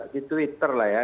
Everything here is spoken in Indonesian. di twitter lah ya